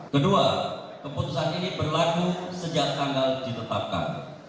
kedua keputusan ini berlaku sejak tanggal ditetapkan